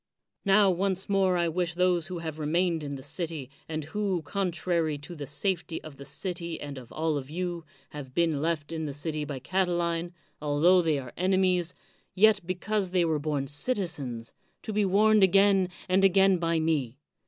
Now once more I wish those who have re mained in the city, and who, contrary to the safety of the city and of all of you, have been left in the city by Catiline, altho they are enemies, yet because they were bom citizens, to be warned again and again by me.